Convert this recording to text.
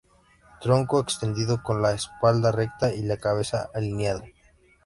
Tronco extendido con la espalda recta y la cabeza alineada.